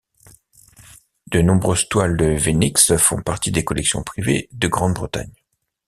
De nombreuses toiles de Weenix font partie de collections privées de Grande-Bretagne.